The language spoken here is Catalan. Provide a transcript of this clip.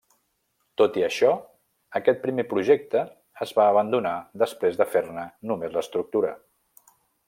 Tot i això, aquest primer projecte es va abandonar després de fer-ne només l'estructura.